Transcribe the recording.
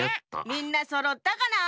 みんなそろったかな？